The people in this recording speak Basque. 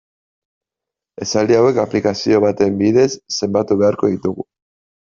Esaldi hauek aplikazio baten bidez zenbatu beharko ditugu.